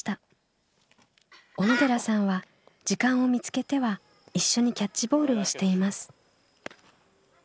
小野寺さんは時間を見つけては一緒にキャッチボールをしています。